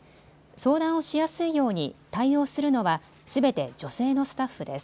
相談をしやすいように対応するのはすべて女性のスタッフです。